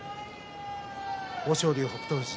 豊昇龍、北勝富士